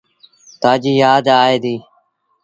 تآجيٚ يآد آئي دي۔